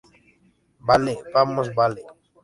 vale, vamos. vale.